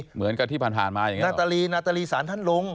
เหมือนกับที่พันธาตุมาอย่างงี้หรอนาตาลีสารท่านลง